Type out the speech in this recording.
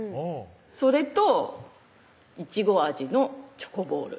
それといちご味の「チョコボール」